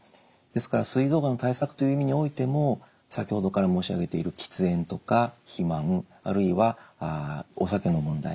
ですからすい臓がんの対策という意味においても先ほどから申し上げている喫煙とか肥満あるいはお酒の問題